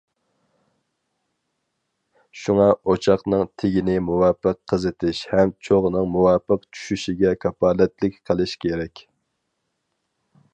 شۇڭا ئوچاقنىڭ تېگىنى مۇۋاپىق قىزىتىش ھەم چوغنىڭ مۇۋاپىق چۈشۈشىگە كاپالەتلىك قىلىش كېرەك.